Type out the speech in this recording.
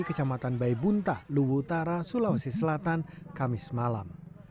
kecamatan baibuntah lubutara sulawesi selatan kamis malam